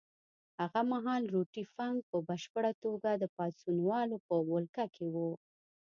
هغه مهال روټي فنک په بشپړه توګه د پاڅونوالو په ولکه کې وو.